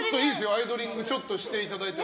アイドリングしていただいて。